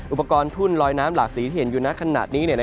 อุปกรณ์ทุ่นลอยน้ำหลากสีที่เห็นอยู่ในขณะนี้